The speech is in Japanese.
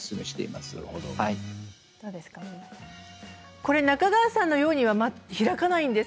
これは中川さんのように開かないんです。